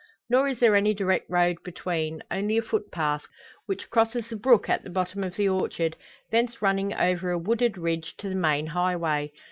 Nor is there any direct road between, only a footpath, which crosses the brook at the bottom of the orchard, thence running over a wooded ridge to the main highway.